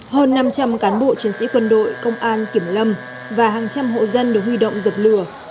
hơn năm trăm linh cán bộ chiến sĩ quân đội công an kiểm lâm và hàng trăm hộ dân được huy động dập lửa